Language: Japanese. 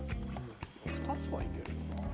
２つはいけるよな。